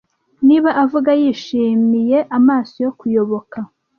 niba avuga yishimiye amaso yo kuyoboka